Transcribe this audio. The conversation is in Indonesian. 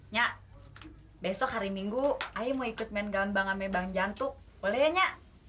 nyat besok hari minggu aja mau ikut main gambang amebang jantung olehnya